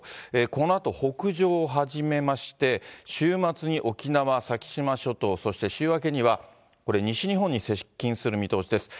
このあと北上を始めまして、週末に沖縄・先島諸島、そして週明けにはこれ、西日本に接近する見通しです。